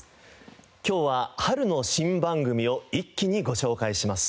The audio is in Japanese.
今日は春の新番組を一気にご紹介します。